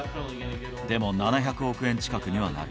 でも７００億円近くにはなる。